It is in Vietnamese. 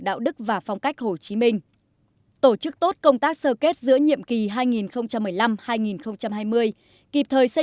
đạo đức và phong cách hồ chí minh tổ chức tốt công tác sơ kết giữa nhiệm kỳ hai nghìn một mươi năm hai nghìn hai mươi kịp thời xây